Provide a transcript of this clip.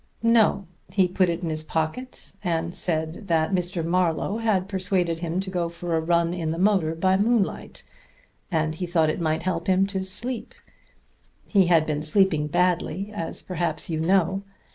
"No. He put it in his pocket, and then said that Mr. Marlowe had persuaded him to go for a run in the motor by moonlight, and he thought it might help him to sleep. He had been sleeping badly, as perhaps you know.